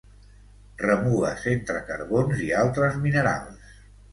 Remugues entre carbons i altres minerals.